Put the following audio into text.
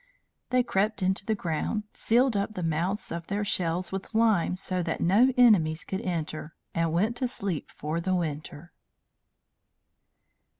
They crept into the ground, sealed up the mouths of their shells with lime so that no enemies could enter, and went to sleep for the winter.